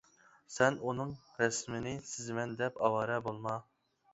سەن ئۇنىڭ رەسىمىنى سىزىمەن دەپ ئاۋارە بولما!